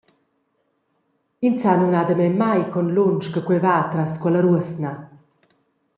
Ins sa numnadamein mai con lunsch che quei va tras quella ruosna!